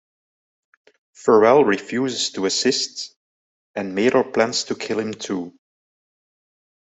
Farrell refuses to assist, and Mailer plans to kill him too.